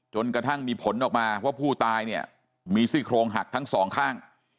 จนกระทั่งมีผลออกมาว่าผู้ตายเนี่ยมีซี่โครงหักทั้งสองข้าง